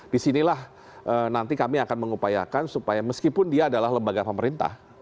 disinilah nanti kami akan mengupayakan supaya meskipun dia adalah lembaga pemerintah